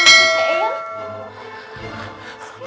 tapi dia tetap ikut ia